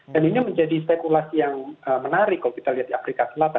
dan ini menjadi spekulasi yang menarik kalau kita lihat di afrika selatan